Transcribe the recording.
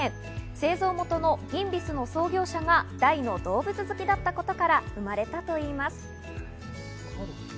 製造元のギンビスの創業者が大の動物好きだったことから生まれたといいます。